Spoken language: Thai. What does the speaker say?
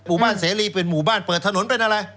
หมู่บ้านเสรีเป็นหมู่บ้านเปิดถนนเป็นอะไร